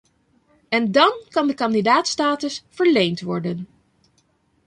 En dan kan de kandidaatsstatus verleend worden.